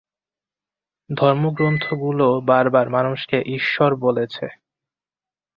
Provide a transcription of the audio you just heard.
ধর্মগ্রন্থগুলোও বারবার মানুষকে ঈশ্বর বলেছে।